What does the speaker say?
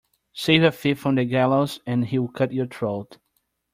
Save a thief from the gallows and he will cut your throat.